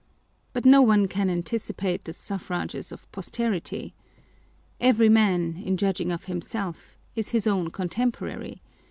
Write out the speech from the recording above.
But no one can anticipate the suffrages of posterity. Every man, in judging of himself, is his own contemporary.